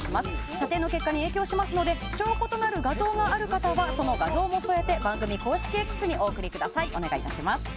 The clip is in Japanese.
査定の結果に影響しますので証拠となる画像がある方は画像を添えて番組公式Ｘにご投稿お願いします。